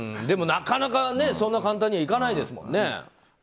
でもなかなかそんな簡単にはいかないですもんね。